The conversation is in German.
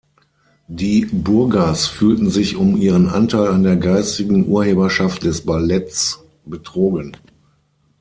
Die Burgers „fühlen sich um ihren Anteil an der geistigen Urheberschaft des Balletts betrogen.